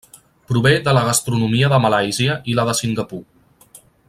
Prové de la gastronomia de Malàisia i la de Singapur.